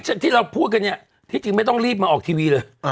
ที่เราพูดกันเนี่ยที่จริงไม่ต้องรีบมาออกทีวีเลย